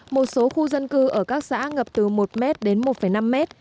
một số khu dân cư ở các xã ngập từ một m đến một năm mét